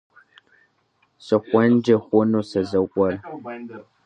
СыхуеинкӀи хъуну сэ зыгуэр?